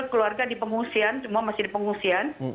keluarga di pengungsian semua masih di pengungsian